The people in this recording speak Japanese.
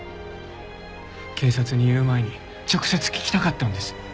警察に言う前に直接聞きたかったんです。